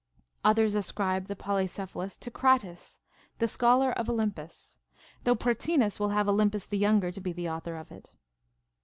Others ascribe the Poly cephalus to Crates, the scholar of Olympus ; though Pra tinas will have Olympus the younger to be the author of it.